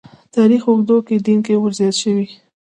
تاریخ اوږدو کې دین کې ورزیات شوي.